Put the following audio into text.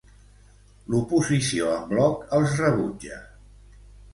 L'oposició en bloc els rebutja.